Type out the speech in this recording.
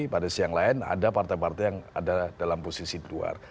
pada siang lain ada partai partai yang ada dalam posisi di luar